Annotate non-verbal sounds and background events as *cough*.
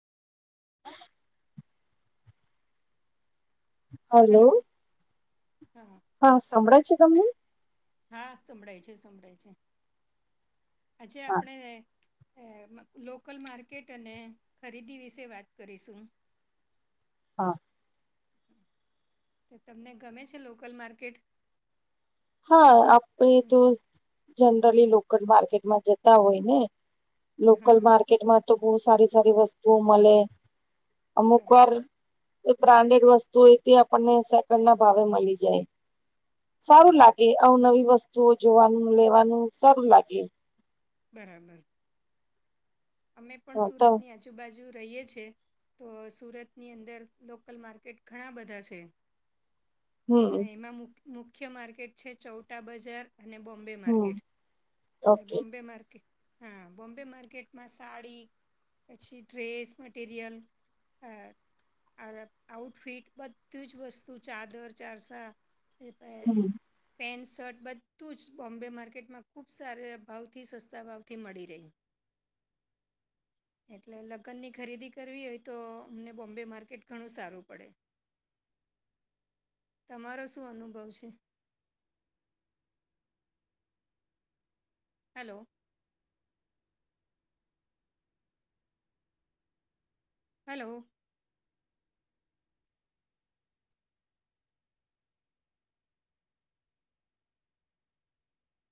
*inaudible* Hello હા હા સંભડાય છે તમને હા સંભડાય છે સંભડાય છે આજે હા આપણે લોકલ માર્કેટ અને ખરીદી વિશે વાત કરીશું હા તે તમને ગમે છે લોકલ માર્કેટ હા આપે હમ, તો જનરલી લોકલ માર્કેટમાં જતા હોય ને લોકલ હા માર્કેટમાં તો બહુ સારી સારી વસ્તુઓ મળે અમુક વાર બરાબર બ્રાન્ડેડ વસ્તુ એ તે આપણને સેકન્ડ ના ભાવે મળી જાય સારું બરાબર લાગે અવનવી વસ્તુઓ જોવાનું લેવાનું સારું લાગે બરાબર અમે હ પણ તો સુરત ની આજ આજુબાજુ રહીએ છીએ તો સુરતની અંદર લોકલ માર્કેટ ઘણા બધા છે હમ એમાં મુખ્ય માર્કેટ છે ચૌટા બજાર અને બોમ્બે હમ માર્કેટ અને ઓકે બોમ્બે માર્કેટ હા બોમ્બે માર્કેટ માં સાડી પછી ડ્રેસ મટીરિયલ હ આ આઉટફિટ બધું જ વસ્તુ ચાદર ચારસા એ પહેલ હમ. પેન્ટ શર્ટ બધું જ બોમ્બે માર્કેટમાં ખૂબ સારા ભાવથી સસ્તા ભાવથી મળી રહી એટલે લગનની ખરીદી કરવી હોય તો અમને બોમ્બે માર્કેટ ઘણું સારું પડે તમારો શું અનુભવ છે હેલો હલો